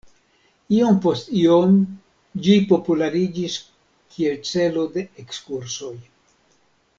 Iom post iom ĝi populariĝis kiel celo de ekskursoj.